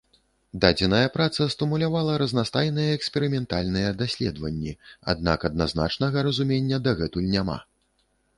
Дадзеная праца стымулявала разнастайныя эксперыментальныя даследаванні, аднак адназначнага разумення дагэтуль няма.